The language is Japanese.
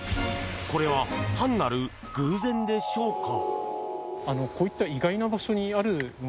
これは単なる偶然でしょうか。